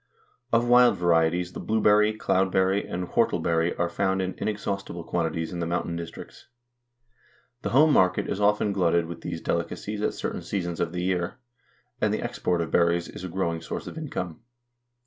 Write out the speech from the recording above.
Of wild varieties the blueberry, cloudberry, and whortleberry are found in inexhaustible quantities in the mountain districts. The home market is often glutted with these delicacies at certain seasons of the year, and the export of berries is a growing source of income.